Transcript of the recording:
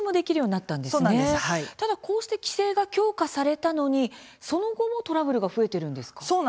ただこうして規制が強化されたのに、その後もトラブルが増えているんですか。